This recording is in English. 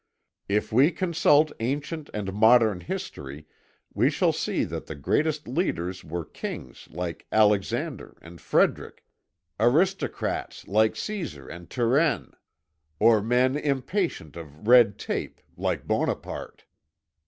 If we consult ancient and modern history, we shall see that the greatest leaders were kings like Alexander and Frederick, aristocrats like Cæsar and Turenne, or men impatient of red tape like Bonaparte.